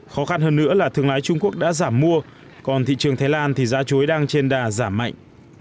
khó khăn hơn nữa là thương lái trung quốc đã giảm mua còn thị trường thái lan thì giá chuối đang trên đà giảm mạnh